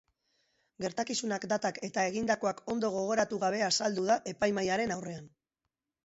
Gertakizunak, datak eta egindakoak ondo gogoratu gabe azaldu da epaimahaiaren aurrean.